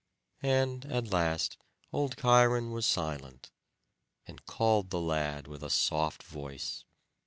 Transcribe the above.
And at the last old Cheiron was silent, and called the lad with a soft voice.